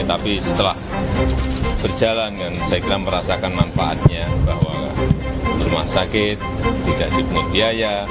tapi setelah berjalan kan saya kira merasakan manfaatnya bahwa rumah sakit tidak dipungut biaya